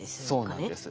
そうなんです。